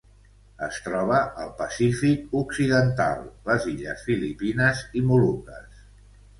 Es troba al Pacífic occidental: les illes Filipines i Moluques.